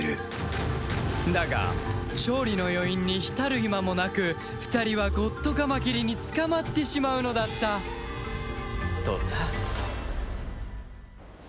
だが勝利の余韻に浸る暇もなく２人はゴッドカマキリに捕まってしまうのだったとさ